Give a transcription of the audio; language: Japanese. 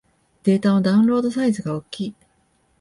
データのダウンロードサイズが大きい